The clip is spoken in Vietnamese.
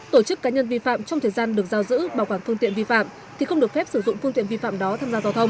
tổ chức cá nhân vi phạm trong thời gian được giao giữ bảo quản phương tiện vi phạm thì không được phép sử dụng phương tiện vi phạm đó tham gia giao thông